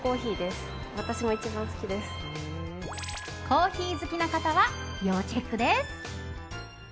コーヒー好きな方は要チェックです。